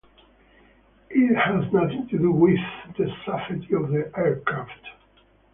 It has nothing to do with the safety of the aircraft.